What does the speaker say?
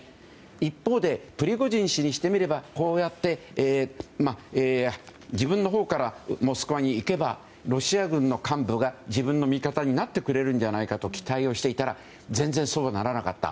一方でプリゴジン氏にしてみればこうやって自分のほうからモスクワに行けばロシア軍の幹部が、自分の味方になってくれるんじゃないかと期待をしていたら全然そうはならなかった。